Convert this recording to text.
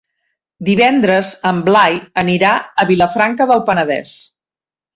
Divendres en Blai anirà a Vilafranca del Penedès.